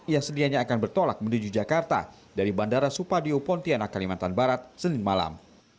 yang sedianya akan bertolak menuju jakarta dari bandara supadio pontianak kalimantan barat senin malam